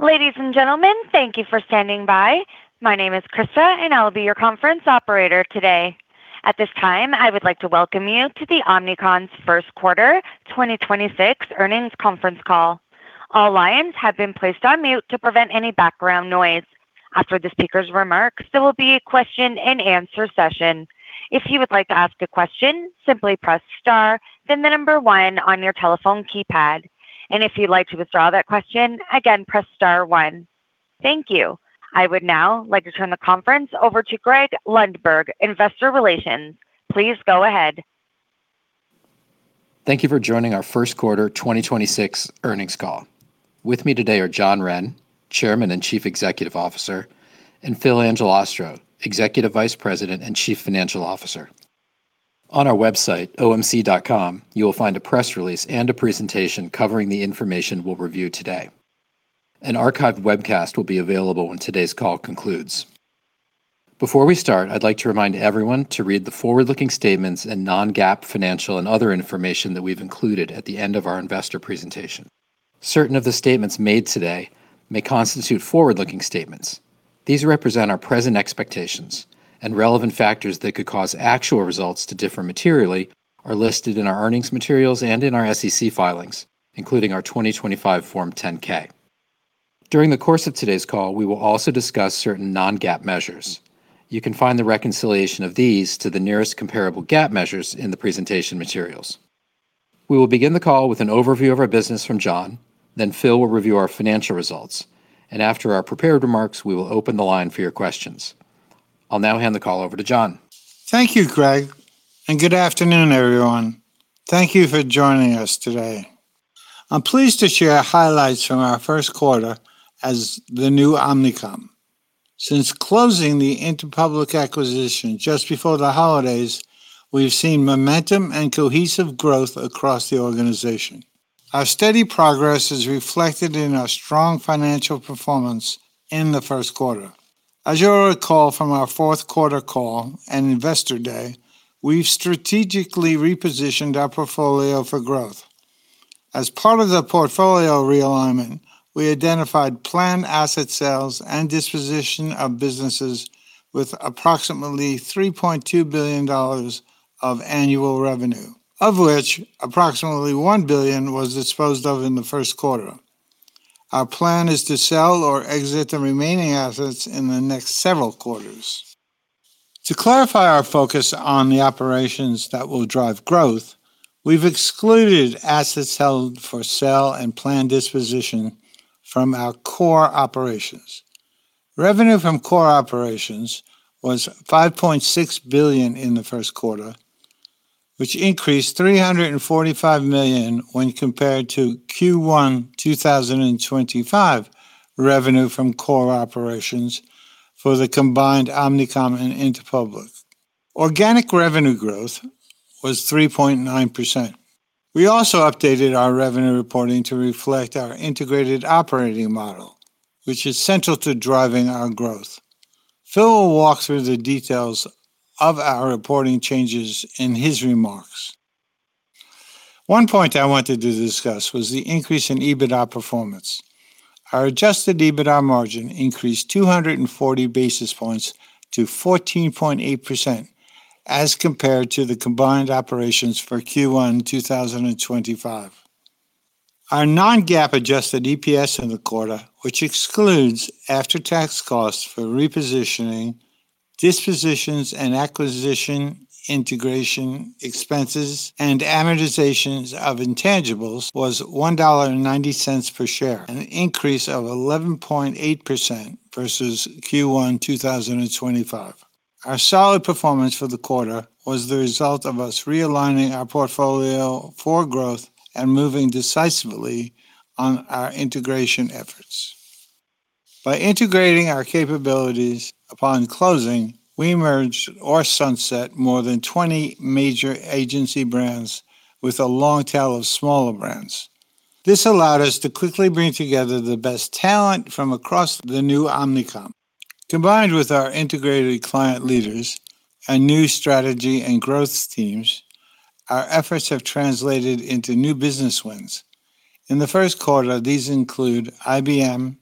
Ladies and gentlemen, thank you for standing by. My name is Krista and I'll be your conference operator today. At this time, I would like to welcome you to the Omnicom's first quarter 2026 earnings conference call. All lines have been placed on mute to prevent any background noise. After the speaker's remarks, there will be a question and answer session. If you would like to ask a question, simply press star, then the number 1 on your telephone keypad. If you'd like to withdraw that question, again, press star 1. Thank you. I would now like to turn the conference over to Gregory Lundberg, Investor Relations. Please go ahead. Thank you for joining our first quarter 2026 earnings call. With me today are John Wren, Chairman and Chief Executive Officer, and Phil Angelastro, Executive Vice President and Chief Financial Officer. On our website, omc.com, you will find a press release and a presentation covering the information we'll review today. An archived webcast will be available when today's call concludes. Before we start, I'd like to remind everyone to read the forward-looking statements and non-GAAP financial and other information that we've included at the end of our Investor Presentation. Certain of the statements made today may constitute forward-looking statements. These represent our present expectations and relevant factors that could cause actual results to differ materially are listed in our earnings materials and in our SEC filings, including our 2025 Form 10-K. During the course of today's call, we will also discuss certain non-GAAP measures. You can find the reconciliation of these to the nearest comparable GAAP measures in the presentation materials. We will begin the call with an overview of our business from John, then Phil will review our financial results, and after our prepared remarks, we will open the line for your questions. I'll now hand the call over to John. Thank you, Greg. Good afternoon, everyone. Thank you for joining us today. I'm pleased to share highlights from our first quarter as the new Omnicom. Since closing the Interpublic acquisition just before the holidays, we've seen momentum and cohesive growth across the organization. Our steady progress is reflected in our strong financial performance in the first quarter. As you'll recall from our fourth quarter call and Investor Day, we've strategically repositioned our portfolio for growth. As part of the portfolio realignment, we identified planned asset sales and disposition of businesses with approximately $3.2 billion of annual revenue, of which approximately $1 billion was disposed of in the first quarter. Our plan is to sell or exit the remaining assets in the next several quarters. To clarify our focus on the operations that will drive growth, we've excluded assets held for sale and planned disposition from our core operations. Revenue from core operations was $5.6 billion in the first quarter, which increased $345 million when compared to Q1 2025 revenue from core operations for the combined Omnicom and Interpublic. Organic revenue growth was 3.9%. We also updated our revenue reporting to reflect our integrated operating model, which is central to driving our growth. Phil will walk through the details of our reporting changes in his remarks. One point I wanted to discuss was the increase in EBITDA performance. Our Adjusted EBITDA margin increased 240 basis points to 14.8% as compared to the combined operations for Q1 2025. Our non-GAAP Adjusted EPS in the quarter, which excludes after-tax costs for repositioning, dispositions and amortizations of intangibles, was $1.90 per share, an increase of 11.8% versus Q1 2025. Our solid performance for the quarter was the result of us realigning our portfolio for growth and moving decisively on our integration efforts. By integrating our capabilities upon closing, we merged or sunset more than 20 major agency brands with a long tail of smaller brands. This allowed us to quickly bring together the best talent from across the new Omnicom. Combined with our integrated client leaders and new strategy and growth teams, our efforts have translated into new business wins. In the first quarter, these include IBM,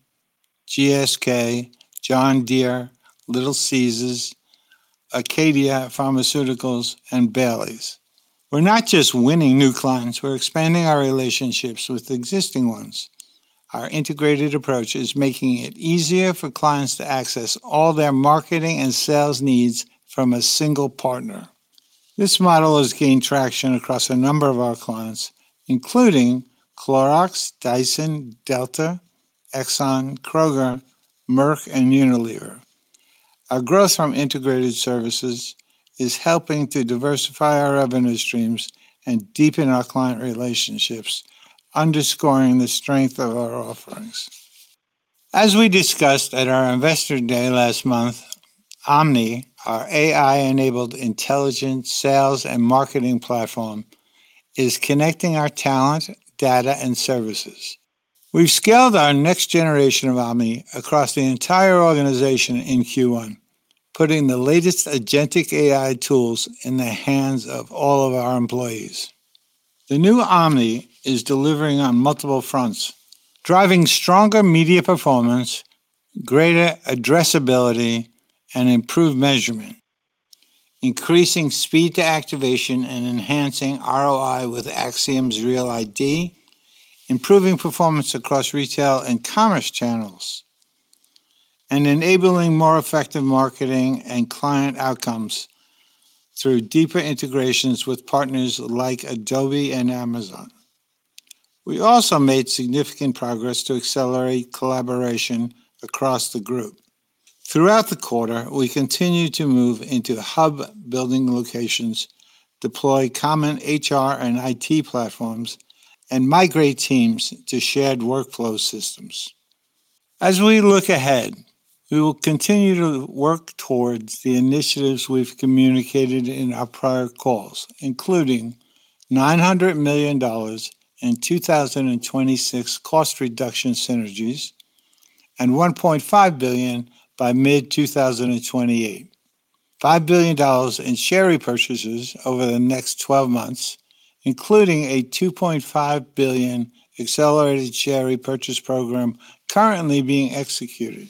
GSK, John Deere, Little Caesars, Acadia Pharmaceuticals, and Baileys. We're not just winning new clients, we're expanding our relationships with existing ones. Our integrated approach is making it easier for clients to access all their marketing and sales needs from a single partner. This model has gained traction across a number of our clients, including Clorox, Dyson, Delta, Exxon, Kroger, Merck, and Unilever. Our growth from integrated services is helping to diversify our revenue streams and deepen our client relationships, underscoring the strength of our offerings. As we discussed at our Investor Day last month, Omni, our AI-enabled intelligent sales and marketing platform, is connecting our talent, data, and services. We've scaled our next generation of Omni across the entire organization in Q1, putting the latest agentic AI tools in the hands of all of our employees. The new Omni is delivering on multiple fronts, driving stronger media performance, greater addressability and improved measurement, increasing speed to activation and enhancing ROI with Acxiom's Real Identity, improving performance across retail and commerce channels, and enabling more effective marketing and client outcomes through deeper integrations with partners like Adobe and Amazon. We also made significant progress to accelerate collaboration across the group. Throughout the quarter, we continued to move into the hub building locations, deploy common HR and IT platforms, and migrate teams to shared workflow systems. As we look ahead, we will continue to work towards the initiatives we've communicated in our prior calls, including $900 million in 2026 cost reduction synergies and $1.5 billion by mid-2028. $5 billion in share repurchases over the next 12 months, including a $2.5 billion accelerated share repurchase program currently being executed.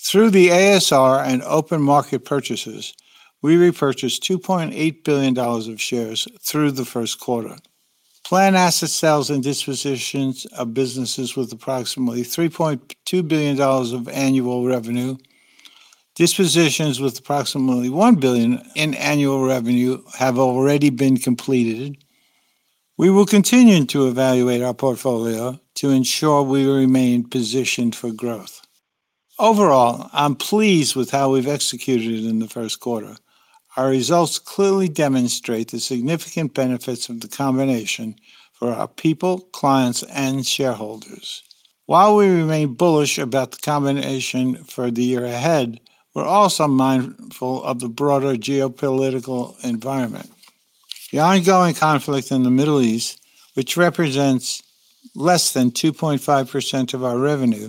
Through the ASR and open market purchases, we repurchased $2.8 billion of shares through the first quarter. Planned asset sales and dispositions of businesses with approximately $3.2 billion of annual revenue. Dispositions with approximately $1 billion in annual revenue have already been completed. We will continue to evaluate our portfolio to ensure we remain positioned for growth. Overall, I'm pleased with how we've executed in the first quarter. Our results clearly demonstrate the significant benefits of the combination for our people, clients, and shareholders. While we remain bullish about the combination for the year ahead, we're also mindful of the broader geopolitical environment. The ongoing conflict in the Middle East, which represents less than 2.5% of our revenue,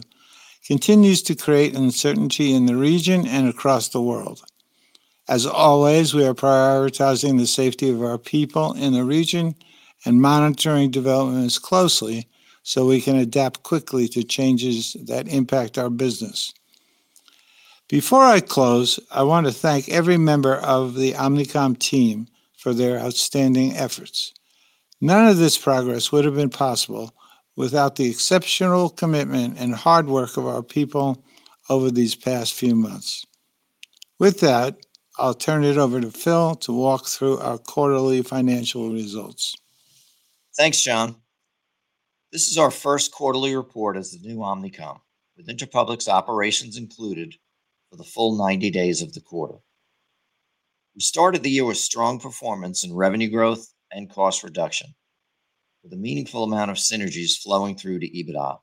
continues to create uncertainty in the region and across the world. As always, we are prioritizing the safety of our people in the region and monitoring developments closely so we can adapt quickly to changes that impact our business. Before I close, I want to thank every member of the Omnicom team for their outstanding efforts. None of this progress would have been possible without the exceptional commitment and hard work of our people over these past few months. With that, I'll turn it over to Phil to walk through our quarterly financial results. Thanks, John. This is our first quarterly report as the new Omnicom, with Interpublic's operations included for the full 90 days of the quarter. We started the year with strong performance in revenue growth and cost reduction, with a meaningful amount of synergies flowing through to EBITDA,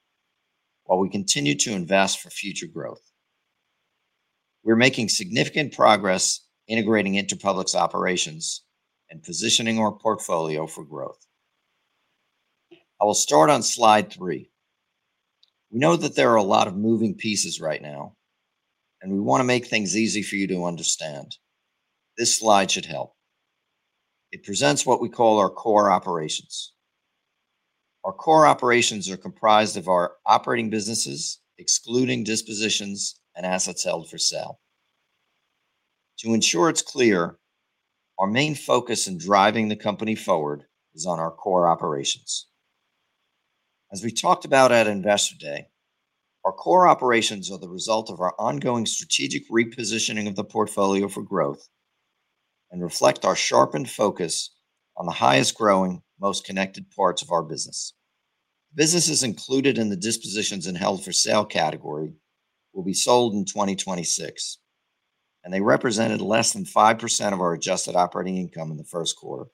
while we continue to invest for future growth. We're making significant progress integrating Interpublic's operations and positioning our portfolio for growth. I will start on slide three. We know that there are a lot of moving pieces right now, and we want to make things easy for you to understand. This slide should help. It presents what we call our core operations. Our core operations are comprised of our operating businesses, excluding dispositions and assets held for sale. To ensure it's clear, our main focus in driving the company forward is on our core operations. As we talked about at Investor Day, our core operations are the result of our ongoing strategic repositioning of the portfolio for growth and reflect our sharpened focus on the highest-growing, most connected parts of our business. Businesses included in the dispositions and held-for-sale category will be sold in 2026, they represented less than 5% of our adjusted operating income in the first quarter.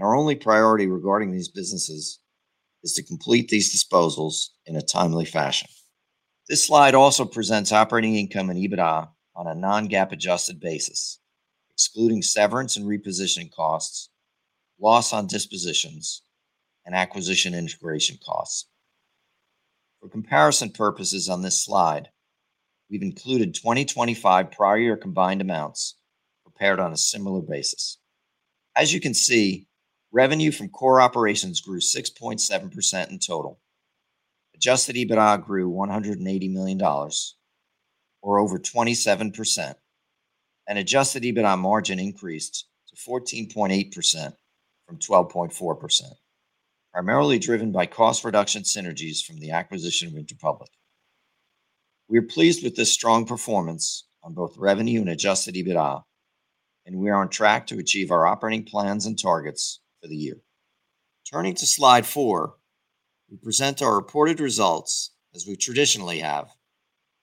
Our only priority regarding these businesses is to complete these disposals in a timely fashion. This slide also presents operating income and EBITDA on a non-GAAP-adjusted basis, excluding severance and repositioning costs, loss on dispositions, and acquisition integration costs. For comparison purposes on this slide, we've included 2025 prior year combined amounts prepared on a similar basis. As you can see, revenue from core operations grew 6.7% in total. Adjusted EBITDA grew $180 million, or over 27%. Adjusted EBITDA margin increased to 14.8% from 12.4%, primarily driven by cost reduction synergies from the acquisition of Interpublic. We are pleased with this strong performance on both revenue and Adjusted EBITDA, we are on track to achieve our operating plans and targets for the year. Turning to slide 4, we present our reported results as we traditionally have,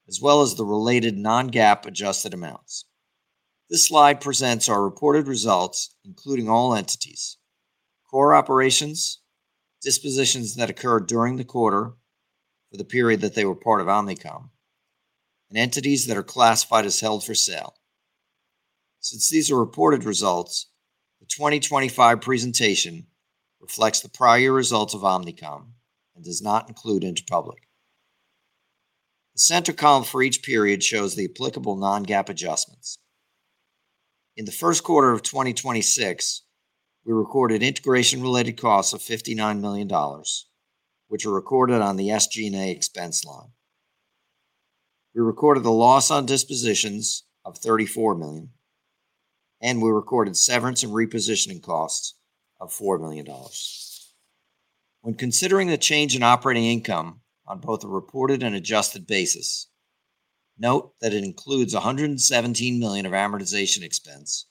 as well as the related non-GAAP adjusted amounts. This slide presents our reported results, including all entities, core operations, dispositions that occurred during the quarter for the period that they were part of Omnicom, and entities that are classified as held for sale. Since these are reported results, the 2025 presentation reflects the prior results of Omnicom and does not include Interpublic. The center column for each period shows the applicable non-GAAP adjustments. In the first quarter of 2026, we recorded integration-related costs of $59 million, which are recorded on the SGA expense line. We recorded the loss on dispositions of $34 million, and we recorded severance and repositioning costs of $4 million. When considering the change in operating income on both a reported and adjusted basis, note that it includes $117 million of amortization expense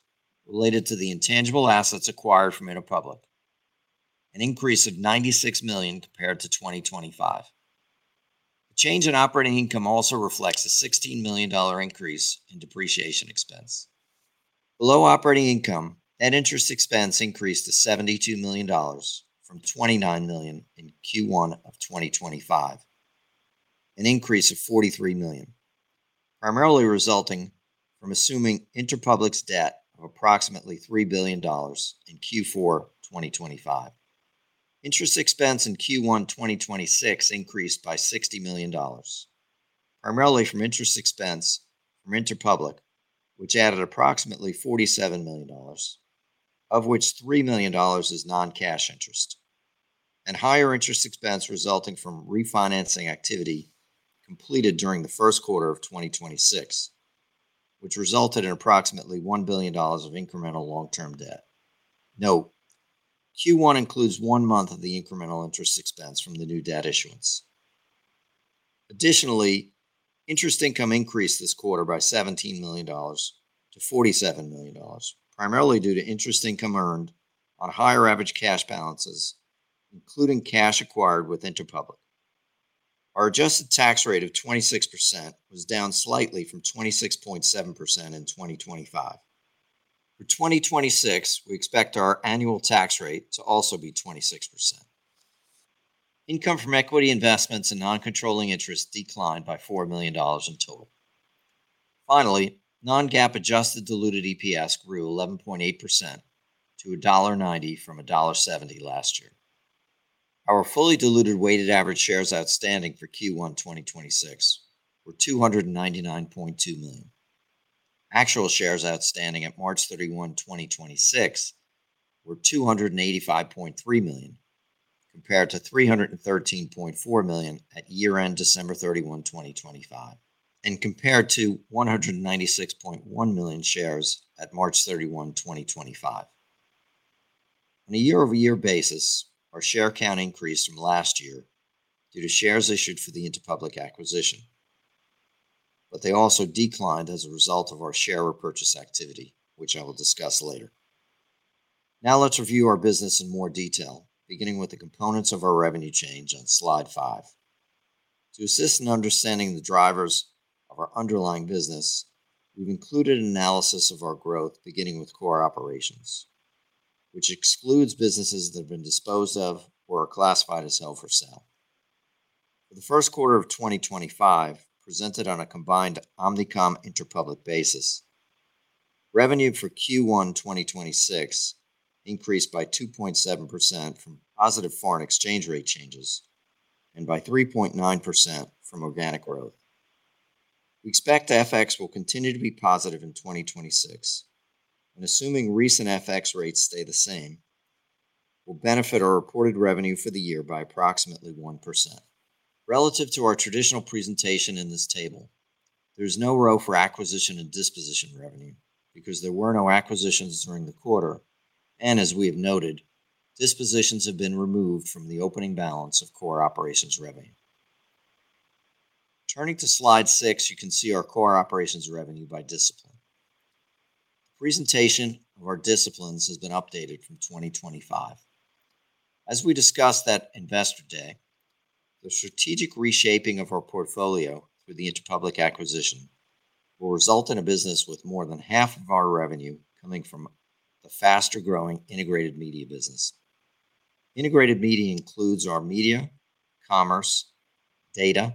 related to the intangible assets acquired from Interpublic, an increase of $96 million compared to 2025. The change in operating income also reflects a $16 million increase in depreciation expense. Below operating income, net interest expense increased to $72 million from $29 million in Q1 2025, an increase of $43 million, primarily resulting from assuming Interpublic's debt of approximately $3 billion in Q4 2025. Interest expense in Q1 2026 increased by $60 million, primarily from interest expense from Interpublic, which added approximately $47 million, of which $3 million is non-cash interest, and higher interest expense resulting from refinancing activity completed during the first quarter of 2026, which resulted in approximately $1 billion of incremental long-term debt. Note, Q1 includes one month of the incremental interest expense from the new debt issuance. Additionally, interest income increased this quarter by $17 million to $47 million, primarily due to interest income earned on higher average cash balances, including cash acquired with Interpublic. Our adjusted tax rate of 26% was down slightly from 26.7% in 2025. For 2026, we expect our annual tax rate to also be 26%. Income from equity investments and non-controlling interests declined by $4 million in total. Finally, non-GAAP adjusted diluted EPS grew 11.8% to $1.90 from $1.70 last year. Our fully diluted weighted average shares outstanding for Q1 2026 were 299.2 million. Actual shares outstanding at March 31st, 2026 were 285.3 million, compared to 313.4 million at year-end December 31st, 2025, and compared to 196.1 million shares at March 31st, 2025. On a year-over-year basis, our share count increased from last year due to shares issued for the Interpublic acquisition. They also declined as a result of our share repurchase activity, which I will discuss later. Now let's review our business in more detail, beginning with the components of our revenue change on slide 5. To assist in understanding the drivers of our underlying business, we've included an analysis of our growth beginning with core operations, which excludes businesses that have been disposed of or are classified as held for sale. For the first quarter of 2025, presented on a combined Omnicom Interpublic basis, revenue for Q1 2026 increased by 2.7% from positive foreign exchange rate changes and by 3.9% from organic growth. We expect FX will continue to be positive in 2026, and assuming recent FX rates stay the same, will benefit our reported revenue for the year by approximately 1%. Relative to our traditional presentation in this table, there is no row for acquisition and disposition revenue because there were no acquisitions during the quarter, and as we have noted, dispositions have been removed from the opening balance of core operations revenue. Turning to slide 6, you can see our core operations revenue by discipline. Presentation of our disciplines has been updated from 2025. As we discussed at Investor Day, the strategic reshaping of our portfolio through the Interpublic acquisition will result in a business with more than half of our revenue coming from the faster-growing integrated media business. Integrated media includes our media, commerce, data,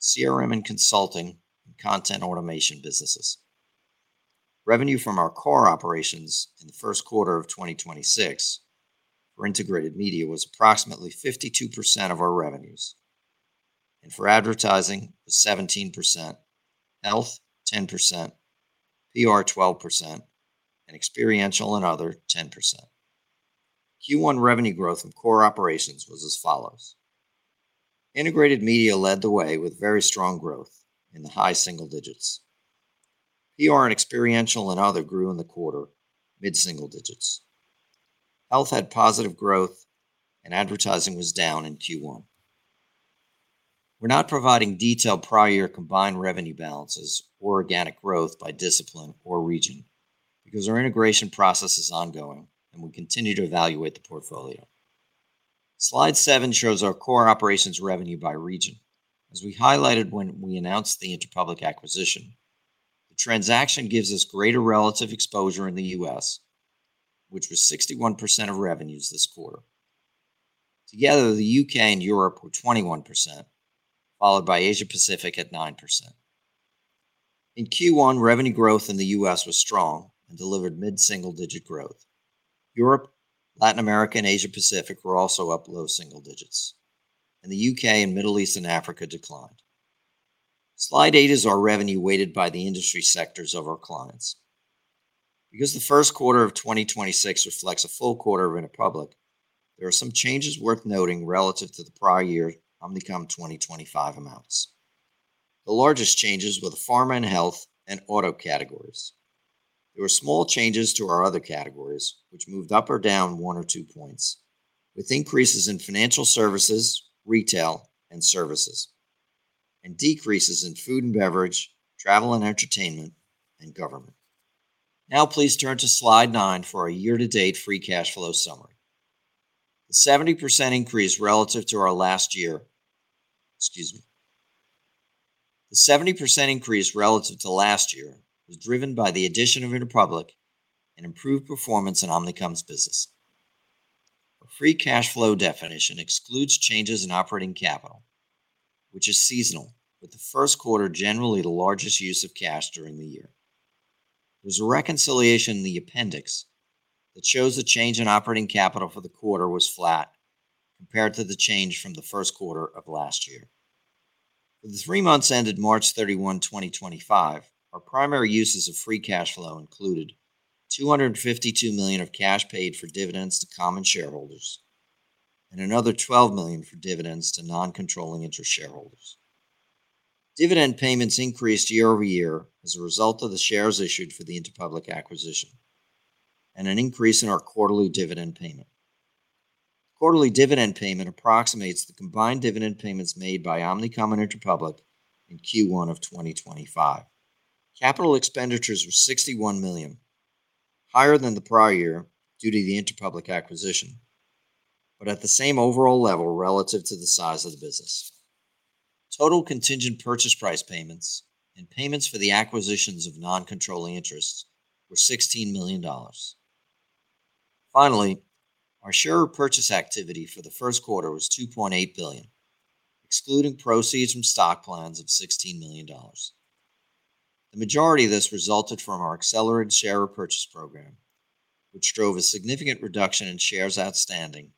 CRM and consulting, and content automation businesses. Revenue from our core operations in the first quarter of 2026 for integrated media was approximately 52% of our revenues, and for advertising, it was 17%, health, 10%, PR, 12%, and experiential and other, 10%. Q1 revenue growth of core operations was as follows: Integrated media led the way with very strong growth in the high single digits. PR and experiential and other grew in the quarter mid-single digits. Health had positive growth and advertising was down in Q1. We're not providing detailed prior combined revenue balances or organic growth by discipline or region because our integration process is ongoing and we continue to evaluate the portfolio. Slide 7 shows our core operations revenue by region. As we highlighted when we announced the Interpublic acquisition, the transaction gives us greater relative exposure in the U.S., which was 61% of revenues this quarter. Together, the U.K. and Europe were 21%, followed by Asia-Pacific at 9%. In Q1, revenue growth in the U.S. was strong and delivered mid-single-digit growth. Europe, Latin America, and Asia-Pacific were also up low single digits. The U.K. and Middle East and Africa declined. Slide 8 is our revenue weighted by the industry sectors of our clients. Because the first quarter of 2026 reflects a full quarter of Interpublic, there are some changes worth noting relative to the prior year Omnicom 2025 amounts. The largest changes were the pharma and health and auto categories. There were small changes to our other categories, which moved up or down one or two points, with increases in financial services, retail, and services, and decreases in food and beverage, travel and entertainment, and government. Please turn to slide 9 for our year-to-date free cash flow summary. The 70% increase relative to last year was driven by the addition of Interpublic and improved performance in Omnicom's business. Our free cash flow definition excludes changes in operating capital, which is seasonal, with the first quarter generally the largest use of cash during the year. There's a reconciliation in the appendix that shows the change in operating capital for the quarter was flat compared to the change from the first quarter of last year. For the three months ended March 31st, 2025, our primary uses of free cash flow included $252 million of cash paid for dividends to common shareholders and another $12 million for dividends to non-controlling interest shareholders. Dividend payments increased year-over-year as a result of the shares issued for the Interpublic acquisition and an increase in our quarterly dividend payment. Quarterly dividend payment approximates the combined dividend payments made by Omnicom and Interpublic in Q1 of 2025. Capital expenditures were $61 million, higher than the prior year due to the Interpublic acquisition, but at the same overall level relative to the size of the business. Total contingent purchase price payments and payments for the acquisitions of non-controlling interests were $16 million. Finally, our share repurchase activity for the first quarter was $2.8 billion, excluding proceeds from stock plans of $16 million. The majority of this resulted from our accelerated share repurchase program, which drove a significant reduction in shares outstanding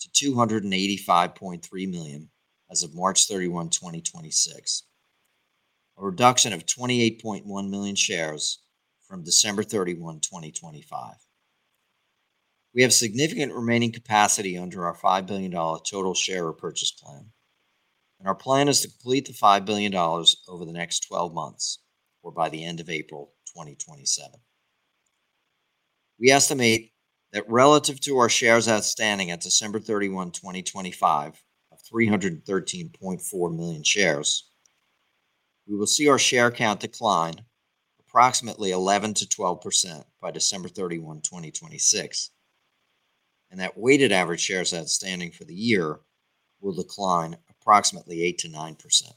to 285.3 million as of March 31st, 2026, a reduction of 28.1 million shares from December 31st, 2025. We have significant remaining capacity under our $5 billion total share repurchase plan, and our plan is to complete the $5 billion over the next 12 months or by the end of April 2027. We estimate that relative to our shares outstanding at December 31st, 2025 of 313.4 million shares, we will see our share count decline approximately 11%-12% by December 31st, 2026, and that weighted average shares outstanding for the year will decline approximately 8%-9%.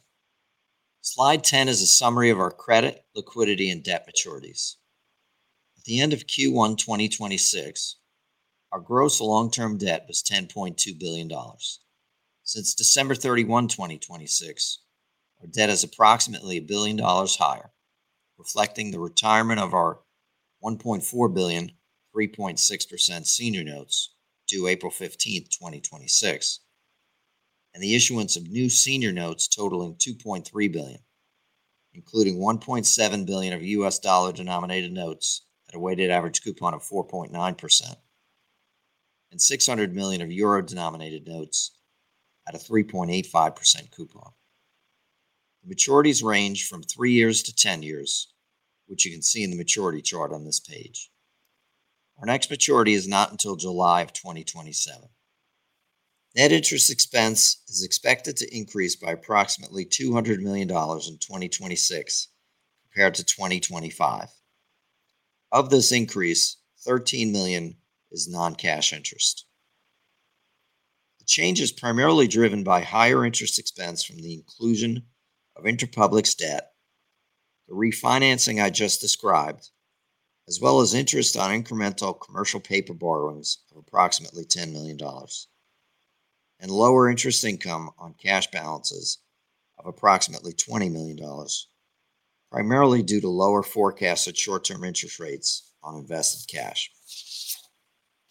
Slide 10 is a summary of our credit, liquidity, and debt maturities. At the end of Q1 2026, our gross long-term debt was $10.2 billion. Since December 31st, 2026, our debt is approximately $1 billion higher, reflecting the retirement of our $1.4 billion, 3.6% senior notes due April 15th, 2026, and the issuance of new senior notes totaling $2.3 billion, including $1.7 billion of U.S. dollar-denominated notes at a weighted average coupon of 4.9% and 600 million of euro-denominated notes at a 3.85% coupon. The maturities range from three years to 10 years, which you can see in the maturity chart on this page. Our next maturity is not until July of 2027. Net interest expense is expected to increase by approximately $200 million in 2026 compared to 2025. Of this increase, 13 million is non-cash interest. The change is primarily driven by higher interest expense from the inclusion of Interpublic's debt, the refinancing I just described, as well as interest on incremental commercial paper borrowings of approximately $10 million and lower interest income on cash balances of approximately $20 million, primarily due to lower forecasted short-term interest rates on invested cash.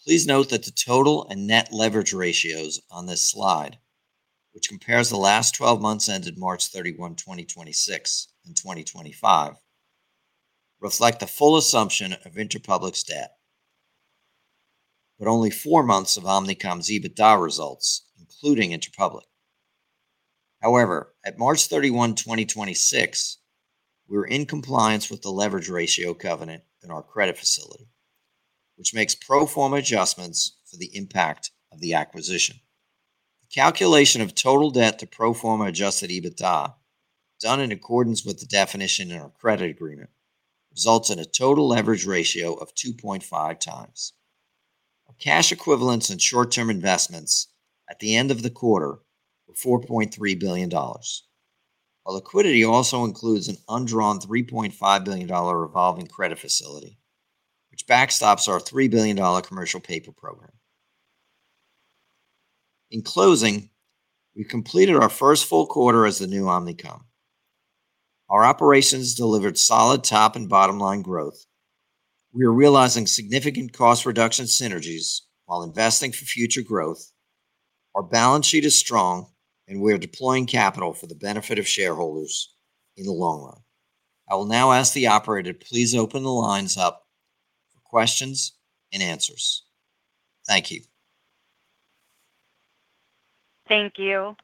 Please note that the total and net leverage ratios on this slide, which compares the last 12 months ended March 31st, 2026 and 2025, reflect the full assumption of Interpublic's debt, but only four months of Omnicom's EBITDA results, including Interpublic. However, at March 31st, 2026, we were in compliance with the leverage ratio covenant in our credit facility, which makes pro forma adjustments for the impact of the acquisition. The calculation of total debt to pro forma Adjusted EBITDA, done in accordance with the definition in our credit agreement, results in a total leverage ratio of 2.5 times. Our cash equivalents and short-term investments at the end of the quarter were $4.3 billion. Our liquidity also includes an undrawn $3.5 billion revolving credit facility, which backstops our $3 billion commercial paper program. In closing, we completed our first full quarter as the new Omnicom. Our operations delivered solid top and bottom line growth. We are realizing significant cost reduction synergies while investing for future growth. Our balance sheet is strong, and we are deploying capital for the benefit of shareholders in the long run. I will now ask the operator to please open the lines up for questions and answers. Thank you. Thank you.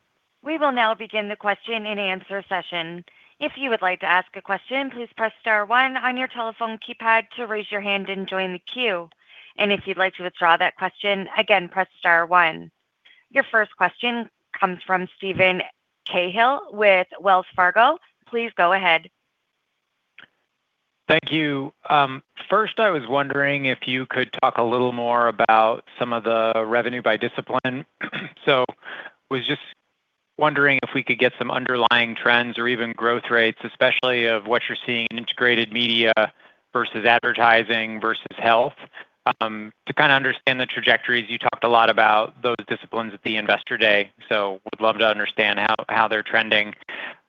We will now begin the question and answer session. If you would like to ask a question, please press star 1 on your telephone keypad to raise your hand and join the queue. If you'd like to withdraw that question, again, press star 1. Your first question comes from Steven Cahall with Wells Fargo. Please go ahead. Thank you. First I was wondering if you could talk a little more about some of the revenue by discipline. I was just wondering if we could get some underlying trends or even growth rates, especially of what you're seeing in integrated media versus advertising versus health, to kind of understand the trajectories. You talked a lot about those disciplines at the Investor Day, would love to understand how they're trending.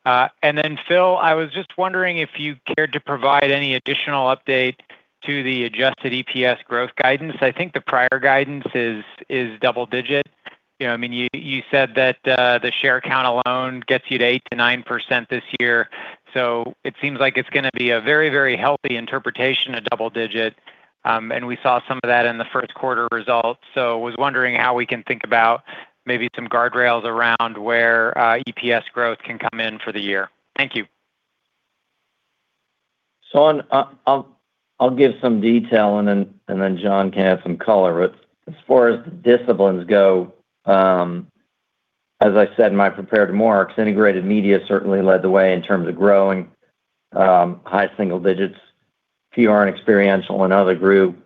Then Phil, I was just wondering if you cared to provide any additional update to the Adjusted EPS growth guidance. I think the prior guidance is double-digit. You know, I mean, you said that the share count alone gets you to 8%-9% this year. It seems like it's gonna be a very healthy interpretation of double-digit. We saw some of that in the first quarter results. I was wondering how we can think about maybe some guardrails around where EPS growth can come in for the year. Thank you. I'll give some detail and then John can add some color. As far as the disciplines go, as I said in my prepared remarks, integrated media certainly led the way in terms of growing, high single digits. PR and experiential and other group,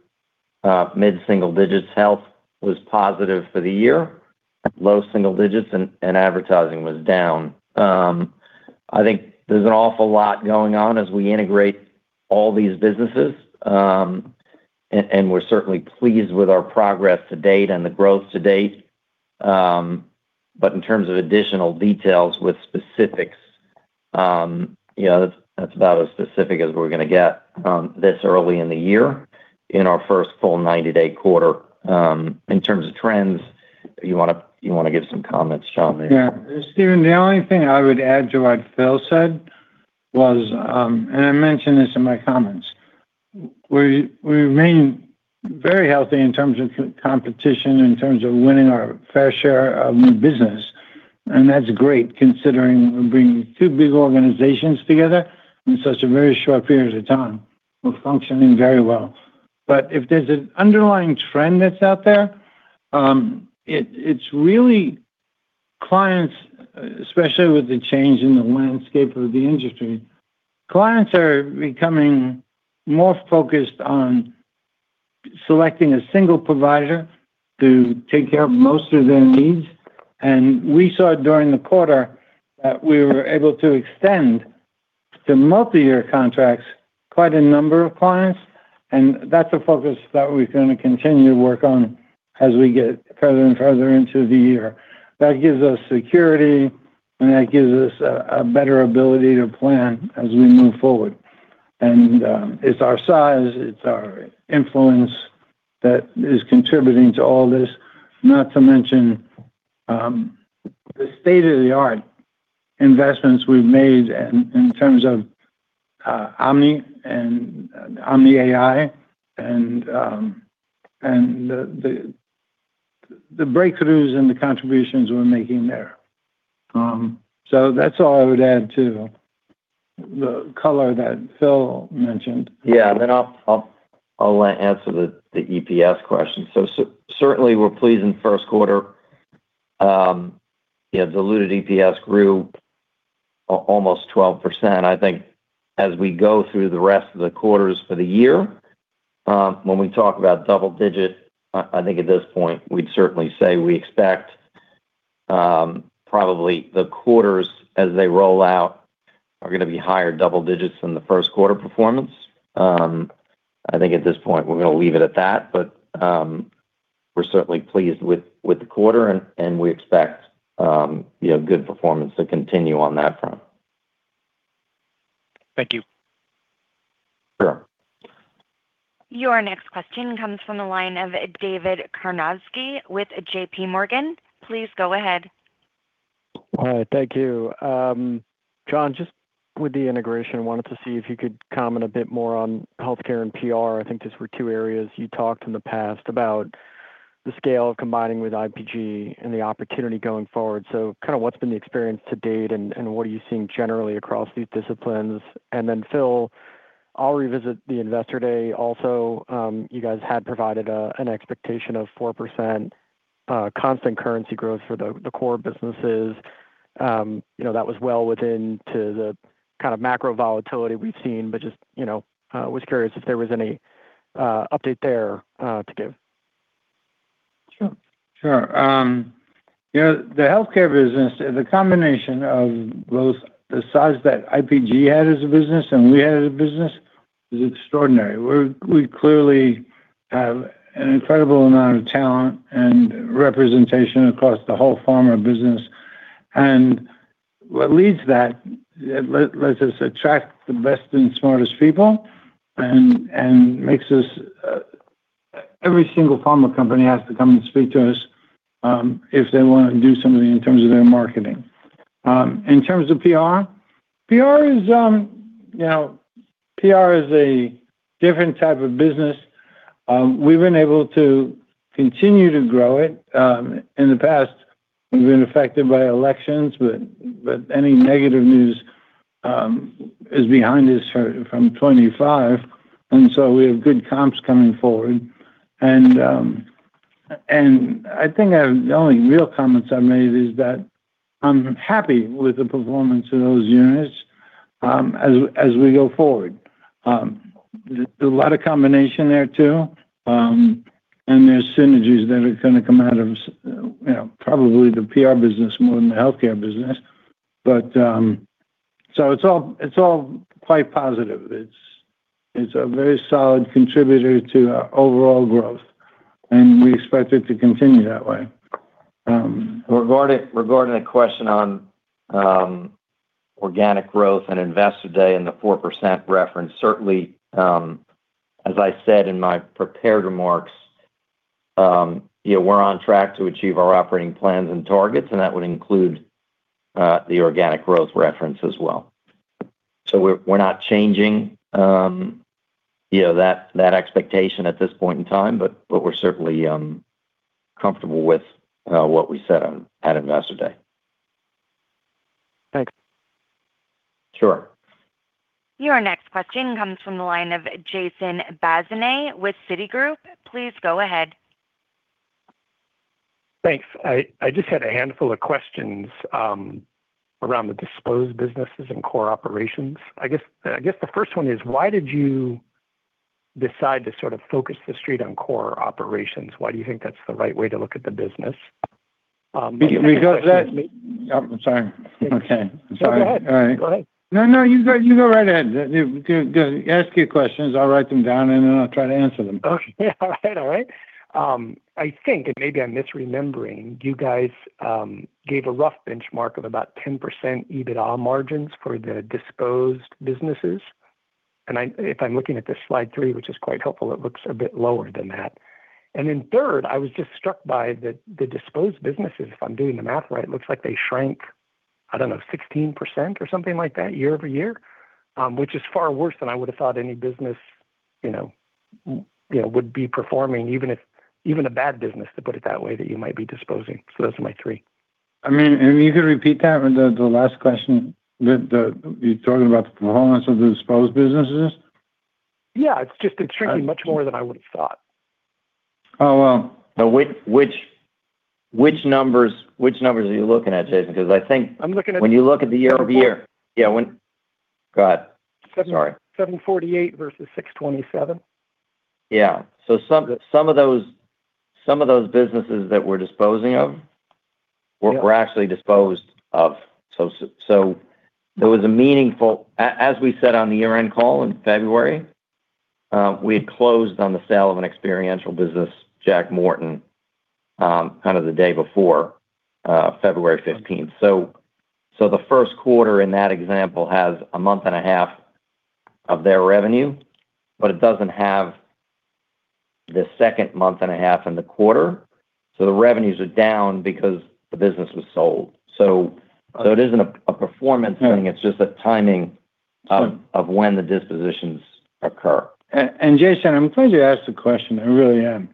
mid-single digits. Health was positive for the year, low single digits, and advertising was down. I think there's an awful lot going on as we integrate all these businesses, and we're certainly pleased with our progress to date and the growth to date. In terms of additional details with specifics, you know, that's about as specific as we're gonna get, this early in the year in our first full 90-day quarter. In terms of trends, you wanna give some comments, John? Yeah. Steven, the only thing I would add to what Phil said was, I mentioned this in my comments, We remain very healthy in terms of competition, in terms of winning our fair share of new business. That's great considering we're bringing two big organizations together in such a very short period of time. We're functioning very well. If there's an underlying trend that's out there, it's really clients, especially with the change in the landscape of the industry, clients are becoming more focused on selecting a single provider to take care of most of their needs. We saw during the quarter that we were able to extend the multi-year contracts quite a number of clients, That's a focus that we're gonna continue to work on as we get further and further into the year. That gives us security, that gives us a better ability to plan as we move forward. It's our size, it's our influence that is contributing to all this. Not to mention, the state-of-the-art investments we've made in terms of Omni and Omni AI and the breakthroughs and the contributions we're making there. That's all I would add to the color that Phil mentioned. Yeah. I'll answer the EPS question. Certainly we're pleased in the first quarter. you know, diluted EPS grew almost 12%. I think as we go through the rest of the quarters for the year, when we talk about double digit, I think at this point we'd certainly say we expect probably the quarters as they roll out are gonna be higher double digits than the first quarter performance. I think at this point we're gonna leave it at that, but we're certainly pleased with the quarter and we expect, you know, good performance to continue on that front. Thank you. Sure. Your next question comes from the line of David Karnovsky with J.P. Morgan. Please go ahead. All right. Thank you. John, just with the integration, wanted to see if you could comment a bit more on healthcare and PR. I think those were two areas you talked in the past about the scale combining with IPG and the opportunity going forward. What's been the experience to date and what are you seeing generally across these disciplines? Phil, I'll revisit the Investor Day also. You guys had provided an expectation of 4% constant currency growth for the core businesses. You know, that was well within to the kind of macro volatility we've seen, you know, was curious if there was any update there to give. Sure, sure. You know, the healthcare business is a combination of both the size that IPG had as a business and we had as a business. It's extraordinary. We clearly have an incredible amount of talent and representation across the whole pharma business. What leads that, it lets us attract the best and smartest people and makes us, every single pharma company has to come and speak to us if they wanna do something in terms of their marketing. In terms of PR is, you know, PR is a different type of business. We've been able to continue to grow it. In the past we've been affected by elections, but any negative news is behind us for from 2025. We have good comps coming forward. I think our, the only real comments I've made is that I'm happy with the performance of those units as we go forward. There's a lot of combination there too, and there's synergies that are gonna come out of you know, probably the PR business more than the healthcare business. It's all quite positive. It's a very solid contributor to our overall growth, and we expect it to continue that way. Regarding a question on organic growth and Investor Day and the 4% reference, certainly, as I said in my prepared remarks, you know, we're on track to achieve our operating plans and targets, and that would include the organic growth reference as well. We're not changing, you know, that expectation at this point in time, but we're certainly comfortable with what we said on, at Investor Day. Thanks. Sure. Your next question comes from the line of Jason Bazinet with Citigroup. Please go ahead. Thanks. I just had a handful of questions around the disposed businesses and core operations. I guess the first one is, why did you decide to sort of focus the street on core operations? Why do you think that's the right way to look at the business? Because that- The second question. Oh, I'm sorry. It's- Okay. I'm sorry. No, go ahead. All right. Go ahead. No, no, you go right ahead. You go ask your questions, I'll write them down, and then I'll try to answer them. Okay. All right, all right. I think, and maybe I'm misremembering, you guys, gave a rough benchmark of about 10% EBITDA margins for the disposed businesses, and I, if I'm looking at this slide 3, which is quite helpful, it looks a bit lower than that. Then third, I was just struck by the disposed businesses, if I'm doing the math right, it looks like they shrank, I don't know, 16% or something like that year-over-year, which is far worse than I would've thought any business, you know, would be performing, even if, even a bad business, to put it that way, that you might be disposing. Those are my three. I mean, you can repeat that one? The last question. The, you're talking about the performance of the disposed businesses? Yeah. It's just it's shrinking much more than I would've thought. Oh, well- Which numbers are you looking at, Jason? I'm looking at- When you look at the year-over-year. Table four. Yeah. Go ahead. Seven- Sorry. 748 versus 627. Yeah. Some of those businesses that we're disposing of. Yeah were actually disposed of. There was a meaningful. As we said on the year-end call in February, we had closed on the sale of an experiential business, Jack Morton Worldwide, kind of the day before, February 15th. The first quarter in that example has a month and a half of their revenue, but it doesn't have the second month and a half and the quarter, the revenues are down because the business was sold. Okay It isn't a performance thing. No it's just a timing of- Sure of when the dispositions occur. Jason, I'm glad you asked the question, I really am.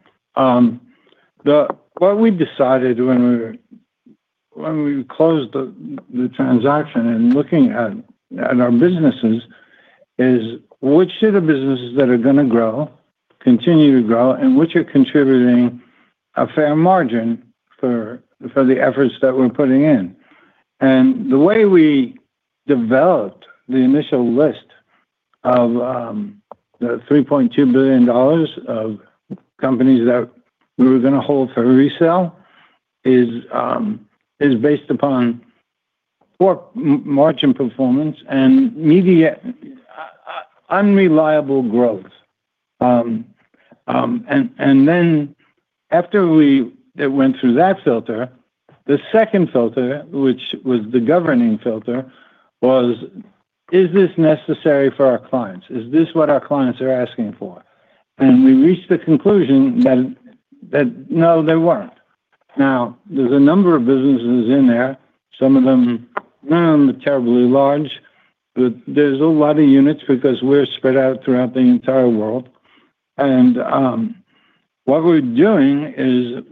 What we decided when we closed the transaction and looking at our businesses is which of the businesses that are going to grow, continue to grow, and which are contributing a fair margin for the efforts that we're putting in. The way we developed the initial list of the $3.2 billion of companies that we were going to hold for resale is based upon poor margin performance and media unreliable growth. Then after it went through that filter, the second filter, which was the governing filter, was, is this necessary for our clients? Is this what our clients are asking for? We reached the conclusion that- Yeah that no, they weren't. There's a number of businesses in there, some of them none are terribly large, but there's a lot of units because we're spread out throughout the entire world. What we're doing is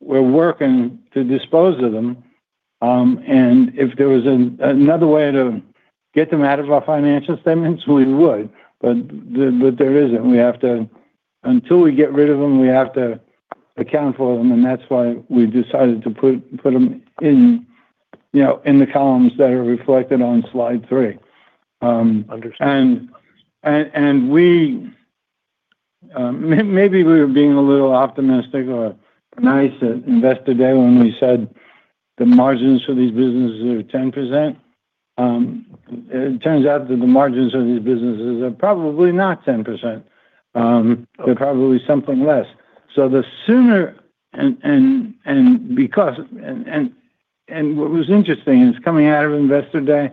we're working to dispose of them. If there was another way to get them out of our financial statements, we would. There isn't. We have to, until we get rid of them, we have to account for them, and that's why we decided to put them in, you know, in the columns that are reflected on slide 3. Understood. Maybe we were being a little optimistic or nice at Investor Day when we said the margins for these businesses are 10%. It turns out that the margins of these businesses are probably not 10%, they're probably something less. What was interesting is coming out of Investor Day,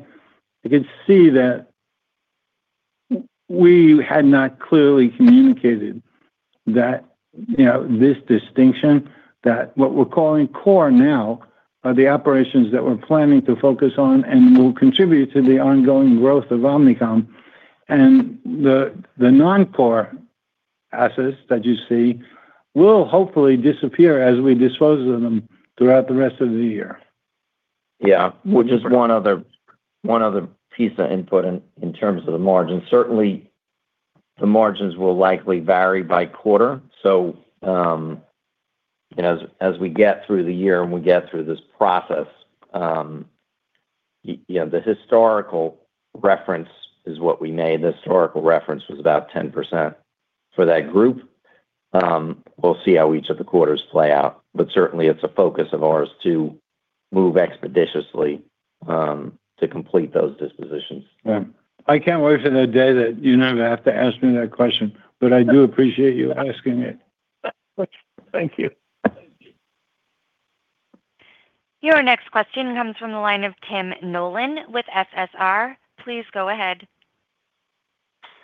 you could see that we had not clearly communicated that, you know, this distinction that what we're calling core now are the operations that we're planning to focus on and will contribute to the ongoing growth of Omnicom. The non-core assets that you see will hopefully disappear as we dispose of them throughout the rest of the year. Yeah. Well, just one other piece of input in terms of the margin. Certainly, the margins will likely vary by quarter. You know, as we get through the year and we get through this process, you know, the historical reference is what we made. The historical reference was about 10% for that group. We'll see how each of the quarters play out. Certainly it's a focus of ours to move expeditiously to complete those dispositions. Yeah. I can't wait for the day that you never have to ask me that question. I do appreciate you asking it. Thank you. Your next question comes from the line of Tim Nollen with SSR. Please go ahead.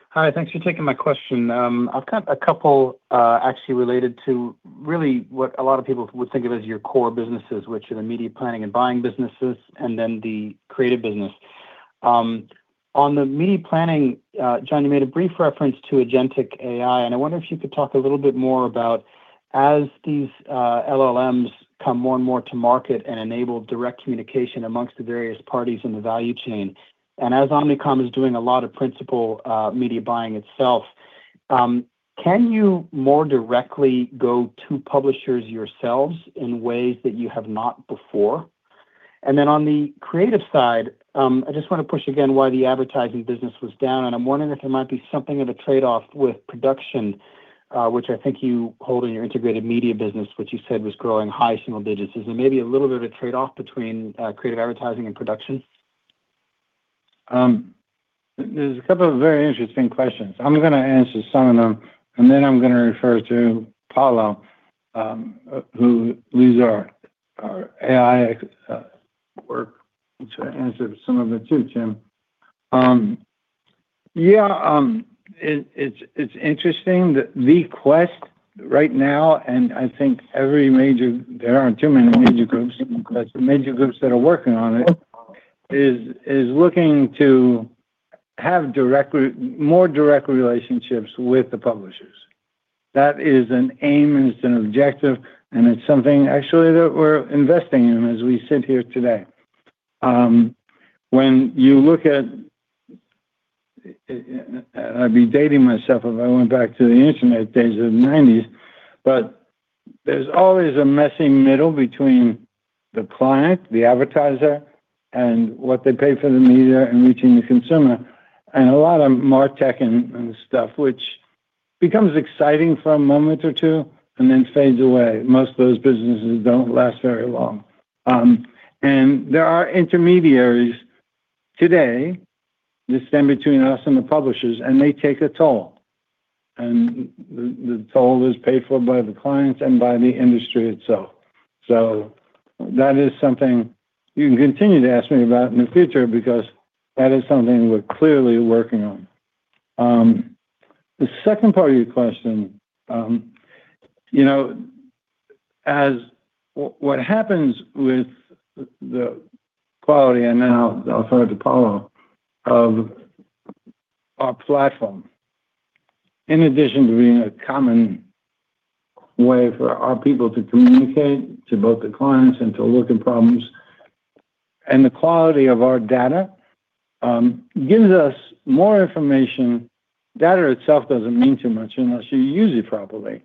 Hi. Thanks for taking my question. I've got a couple, actually related to really what a lot of people would think of as your core businesses, which are the media planning and buying businesses and then the creative business. On the media planning, John, you made a brief reference to agentic AI, and I wonder if you could talk a little bit more about as these LLMs come more and more to market and enable direct communication amongst the various parties in the value chain, and as Omnicom is doing a lot of principal media buying itself, can you more directly go to publishers yourselves in ways that you have not before? On the creative side, I just wanna push again why the advertising business was down, and I'm wondering if there might be something of a trade-off with production, which I think you hold in your integrated media business, which you said was growing high single digits. Is there maybe a little bit of a trade-off between creative advertising and production? There's a couple of very interesting questions. I'm gonna answer some of them, and then I'm gonna refer to Paolo, who leads our AI work to answer some of it too, Tim. It's interesting that the quest right now, and I think There aren't too many major groups, but the major groups that are working on it is looking to have more direct relationships with the publishers. That is an aim, and it's an objective, and it's something actually that we're investing in as we sit here today. When you look at I'd be dating myself if I went back to the internet days of the nineties, but there's always a messy middle between the client, the advertiser, and what they pay for the media and reaching the consumer, and a lot of martech and stuff, which becomes exciting for a moment or two and then fades away. Most of those businesses don't last very long. There are intermediaries today that stand between us and the publishers, and they take a toll. The toll is paid for by the clients and by the industry itself. That is something you can continue to ask me about in the future because that is something we're clearly working on. The second part of your question, you know, as. What happens with the quality, and now I'll throw it to Paolo, of our platform, in addition to being a common way for our people to communicate to both the clients and to look at problems, and the quality of our data gives us more information. Data itself doesn't mean too much unless you use it properly.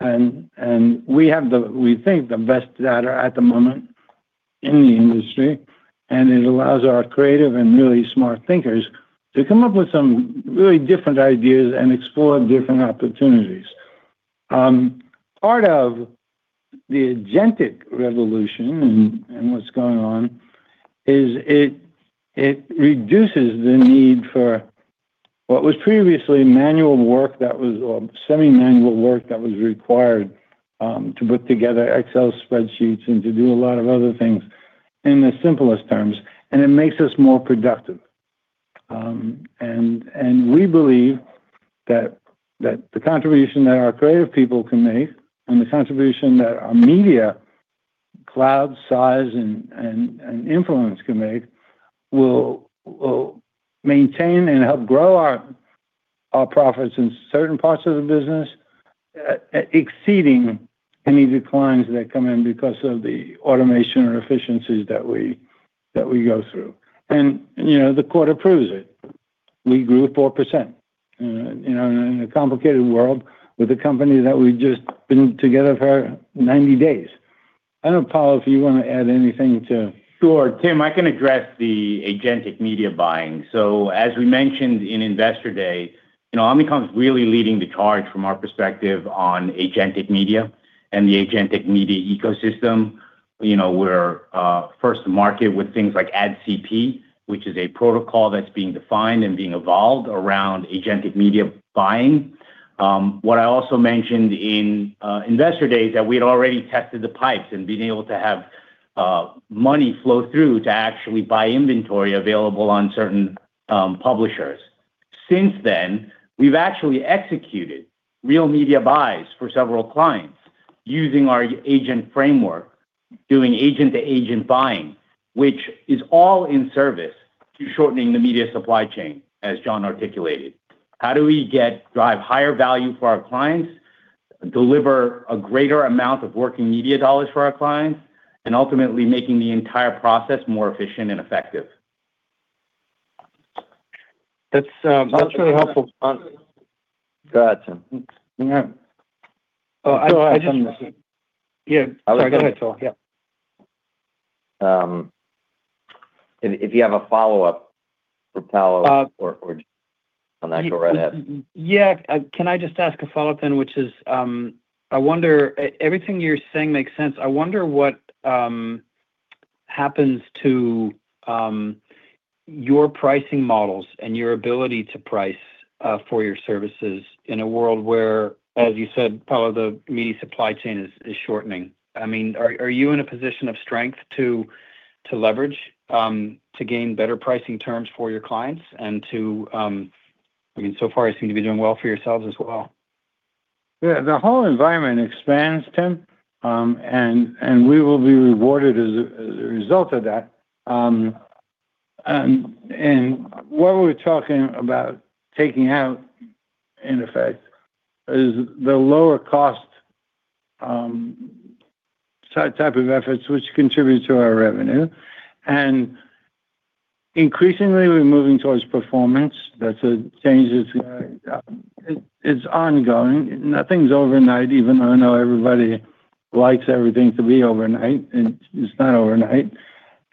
We have the, we think, the best data at the moment in the industry, and it allows our creative and really smart thinkers to come up with some really different ideas and explore different opportunities. Part of the agentic revolution and what's going on is it reduces the need for what was previously manual work that was, or semi-manual work that was required to put together Excel spreadsheets and to do a lot of other things in the simplest terms, it makes us more productive. We believe that the contribution that our creative people can make and the contribution that our media cloud size and influence can make will maintain and help grow our profits in certain parts of the business, exceeding any declines that come in because of the automation or efficiencies that we go through. You know, the quarter proves it. We grew 4%, you know, in a complicated world with a company that we've just been together for 90 days. I don't know, Paolo, if you wanna add anything to. Tim, I can address the agentic media buying. As we mentioned in Investor Day, you know, Omnicom's really leading the charge from our perspective on agentic media and the agentic media ecosystem. You know, we're first to market with things like Ad-ID Connectivity Protocol, which is a protocol that's being defined and being evolved around agentic media buying. What I also mentioned in Investor Day is that we had already tested the pipes and being able to have money flow through to actually buy inventory available on certain publishers. Since then, we've actually executed real media buys for several clients using our agent framework, doing agent-to-agent buying, which is all in service to shortening the media supply chain, as John articulated. How do we drive higher value for our clients, deliver a greater amount of working media dollars for our clients, and ultimately making the entire process more efficient and effective? That's. That's really helpful. Go ahead, Tim. Yeah. Oh, I. Go ahead. Yeah. Go ahead, Phil. Yeah. If you have a follow-up for Paolo. Uh- On that, go right ahead. Can I just ask a follow-up then, which is, everything you're saying makes sense. I wonder what happens to your pricing models and your ability to price for your services in a world where, as you said, Paolo, the media supply chain is shortening. I mean, are you in a position of strength to leverage to gain better pricing terms for your clients? I mean, so far you seem to be doing well for yourselves as well. Yeah. The whole environment expands, Tim, and we will be rewarded as a result of that. What we're talking about taking out in effect is the lower cost type of efforts which contribute to our revenue. Increasingly, we're moving towards performance. That's a change that's ongoing. Nothing's overnight, even though I know everybody likes everything to be overnight, it's not overnight.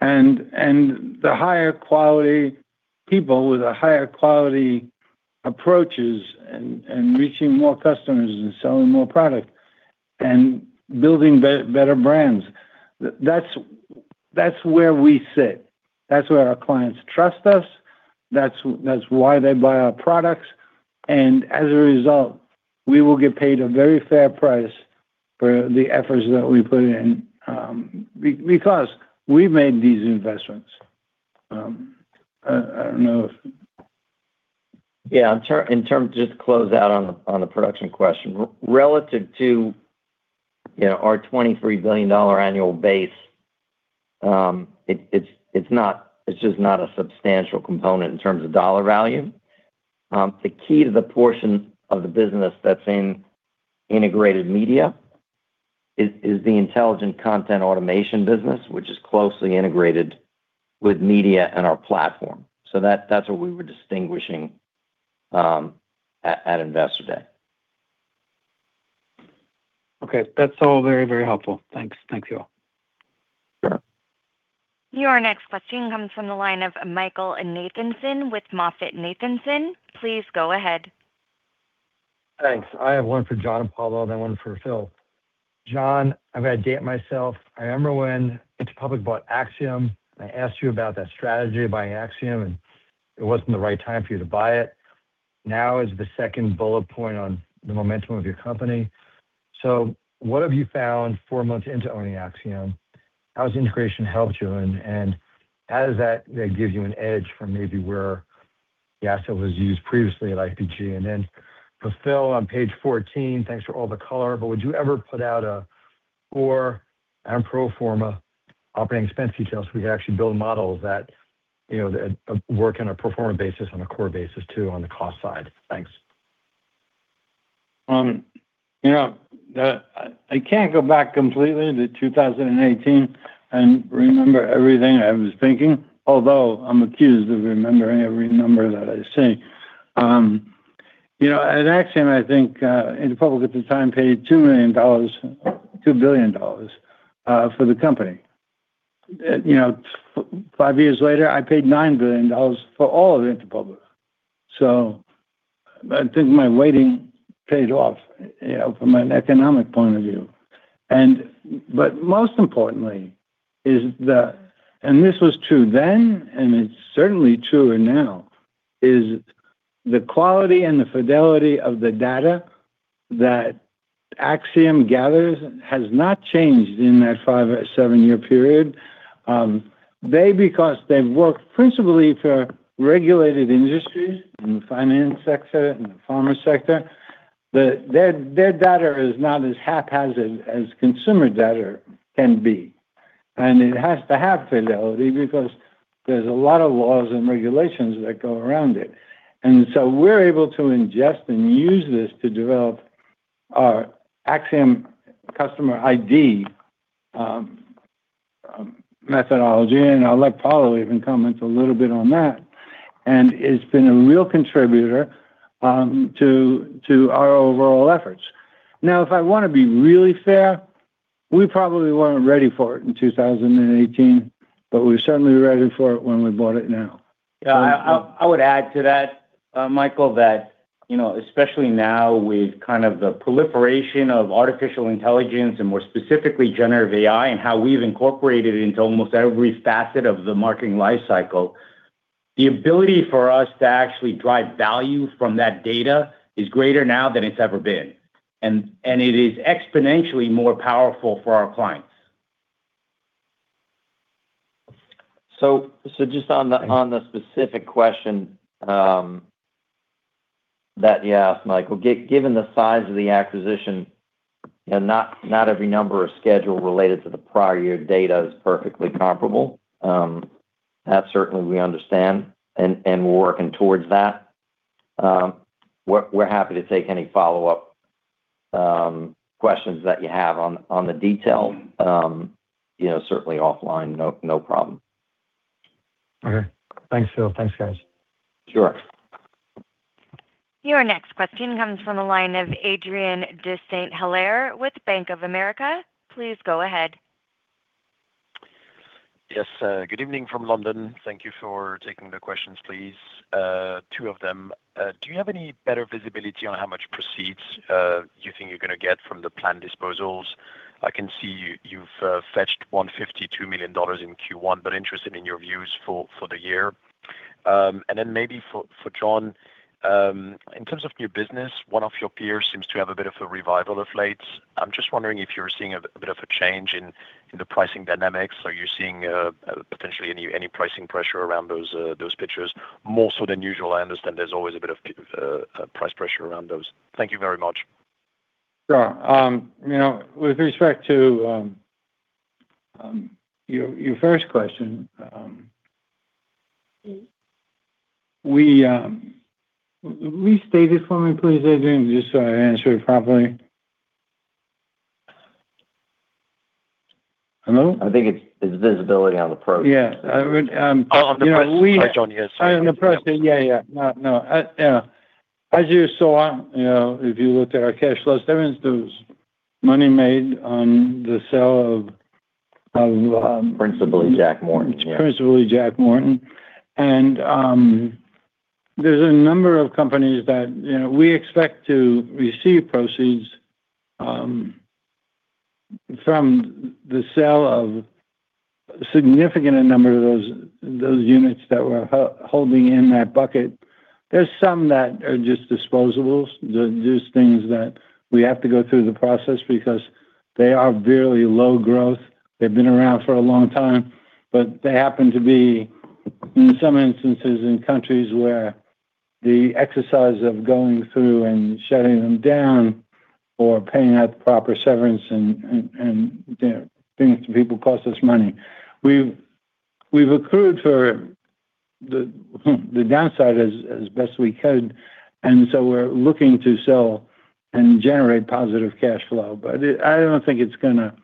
The higher quality people with the higher quality approaches and reaching more customers and selling more product and building better brands, that's where we sit. That's where our clients trust us. That's why they buy our products. As a result, we will get paid a very fair price for the efforts that we put in because we've made these investments. I don't know if. Yeah. In terms of just close out on the production question, relative to, you know, our $23 billion annual base, it's not, it's just not a substantial component in terms of dollar value. The key to the portion of the business that's in integrated media is the intelligent content automation business, which is closely integrated with media and our platform. That's what we were distinguishing at Investor Day. Okay. That's all very, very helpful. Thanks. Thank you all. Sure. Your next question comes from the line of Michael Nathanson with MoffettNathanson. Please go ahead. Thanks. I have one for John and Paolo, then one for Phil. John, I've had a day at myself. I remember when Interpublic bought Acxiom, and I asked you about that strategy of buying Acxiom, and it wasn't the right time for you to buy it. Now is the second bullet point on the momentum of your company. What have you found four months into owning Acxiom? How has integration helped you, and how does that, like, give you an edge from maybe where the asset was used previously at IPG? Then for Phil, on page 14, thanks for all the color, but would you ever put out a core and pro forma operating expense details so we can actually build models that, you know, that work on a pro forma basis, on a core basis too, on the cost side? Thanks. You know, the, I can't go back completely to 2018 and remember everything I was thinking, although I'm accused of remembering every number that I see. You know, at Acxiom, I think, Interpublic at the time paid $2 million, $2 billion for the company. You know, five years later, I paid $9 billion for all of Interpublic. I think my waiting paid off, you know, from an economic point of view. But most importantly is the, and this was true then, and it's certainly truer now, is the quality and the fidelity of the data that Acxiom gathers has not changed in that five or seven-year period. They, because they've worked principally for regulated industries in the finance sector and the pharma sector, their data is not as haphazard as consumer data can be. It has to have fidelity because there's a lot of laws and regulations that go around it. We're able to ingest and use this to develop our Acxiom Real ID methodology, and I'll let Paolo even comment a little bit on that. It's been a real contributor to our overall efforts. Now, if I wanna be really fair, we probably weren't ready for it in 2018, but we're certainly ready for it when we bought it now. Yeah, I would add to that, Michael, that, you know, especially now with kind of the proliferation of artificial intelligence and more specifically generative AI and how we've incorporated it into almost every facet of the marketing life cycle, the ability for us to actually drive value from that data is greater now than it's ever been. It is exponentially more powerful for our clients. Just on the specific question that you asked, Michael, given the size of the acquisition and not every number or schedule related to the prior year data is perfectly comparable, that certainly we understand and we're working towards that. We're happy to take any follow-up questions that you have on the detail, you know, certainly offline, no problem. Okay. Thanks, Phil. Thanks, guys. Sure. Your next question comes from the line of Adrien de Saint Hilaire with Bank of America. Please go ahead. Yes, good evening from London. Thank you for taking the questions, please. 2 of them. Do you have any better visibility on how much proceeds you think you're going to get from the planned disposals? I can see you've fetched $152 million in Q1, but interested in your views for the year. Maybe for John, in terms of new business, one of your peers seems to have a bit of a revival of late. I'm just wondering if you're seeing a bit of a change in the pricing dynamics. Are you seeing potentially any pricing pressure around those pitches more so than usual? I understand there's always a bit of price pressure around those. Thank you very much. Sure. You know, with respect to your first question, Restate it for me, please, Adrien, just so I answer it properly. Hello? I think it's visibility on the approach. Yeah. I would, you know. Oh, on the price, John, yes.... on the pricing. Yeah, yeah. No, no. Yeah. As you saw, you know, if you looked at our cash flow statements, there was money made on the sale of. Principally Jack Morton Worldwide. Yeah principally Jack Morton Worldwide. There's a number of companies that, you know, we expect to receive proceeds from the sale of significant number of those units that we're holding in that bucket. There's some that are just disposables. These things that we have to go through the process because they are very low growth. They've been around for a long time, but they happen to be, in some instances, in countries where the exercise of going through and shutting them down or paying out the proper severance and, you know, things to people cost us money. We've accrued for the downside as best we could, and so we're looking to sell and generate positive cash flow. I don't think it's gonna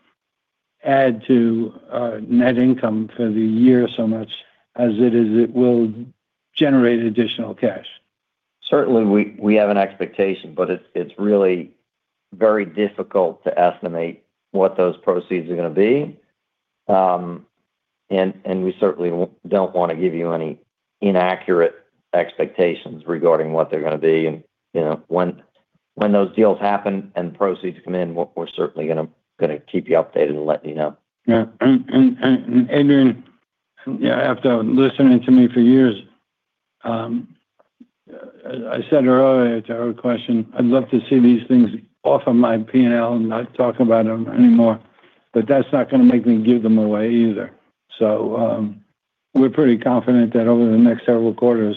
add to net income for the year so much as it is it will generate additional cash. Certainly, we have an expectation, it's really very difficult to estimate what those proceeds are going to be. We certainly don't want to give you any inaccurate expectations regarding what they're going to be. You know, when those deals happen and the proceeds come in, we're certainly going to keep you updated and let you know. Yeah. And Adrien de Saint Hilaire, yeah, after listening to me for years, as I said earlier to our question, I'd love to see these things off of my P&L and not talk about them anymore, but that's not gonna make me give them away either. We're pretty confident that over the next several quarters,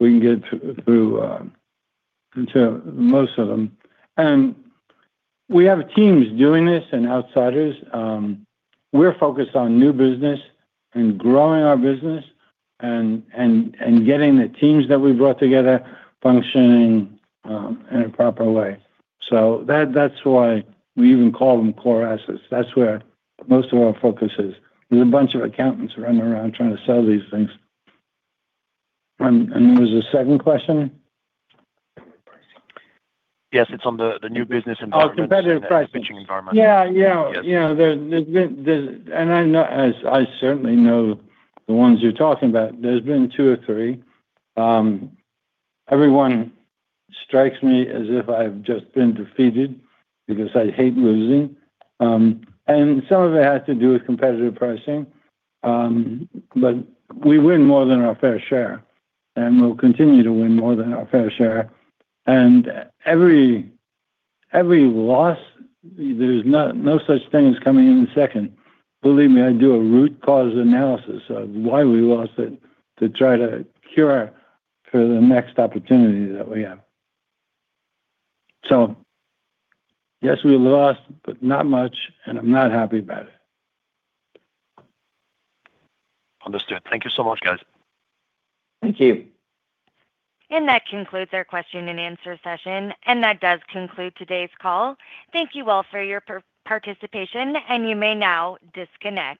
we can get through to most of them. We have teams doing this and outsiders. We're focused on new business and growing our business and getting the teams that we brought together functioning in a proper way. That's why we even call them core assets. That's where most of our focus is. There's a bunch of accountants running around trying to sell these things. There was a second question? Yes, it's on the new business environment. Oh, competitive pricing. The pitching environment. Yeah, yeah. Yes. You know, there's been. I know, as I certainly know the ones you're talking about, there's been two or three. Everyone strikes me as if I've just been defeated because I hate losing. Some of it has to do with competitive pricing. We win more than our fair share, and we'll continue to win more than our fair share. Every loss, there's no such thing as coming in second. Believe me, I do a root cause analysis of why we lost it to try to cure for the next opportunity that we have. Yes, we lost, but not much, and I'm not happy about it. Understood. Thank you so much, guys. Thank you. That concludes our question and answer session, and that does conclude today's call. Thank you all for your participation, and you may now disconnect.